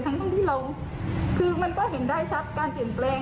ทั้งที่เราคือมันก็เห็นได้ชัดการเปลี่ยนแปลง